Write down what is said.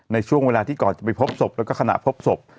ในช่วงเวลาที่ก่อนจะไปพบศพแล้วก็ขณะพบศพ